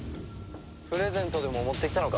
プレゼントでも持ってきたのか？